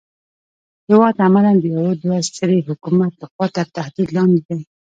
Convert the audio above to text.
هېواد عملاً د يوه دوه سري حکومت لخوا تر تهدید لاندې دی.